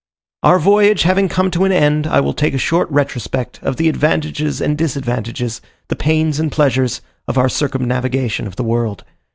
Our Voyage having come to an end, I will take a short retrospect of the advantages and disadvantages, the pains and pleasures, of our circumnavigation of the world.